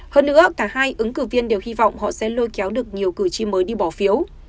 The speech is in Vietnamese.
hơn nữa cả hai ứng cử viên đều hy vọng họ sẽ lôi kéo được nhiều cử tri mới đi bỏ phiếu